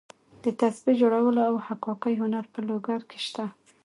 د تسبیح جوړولو او حکاکۍ هنر په لوګر کې شته.